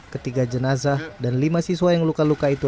ketiga jenazah dan lima siswa yang luka luka itu